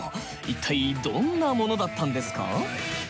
一体どんなものだったんですか？